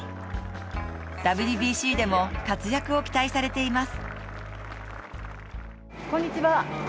ＷＢＣでも活躍を期待されています。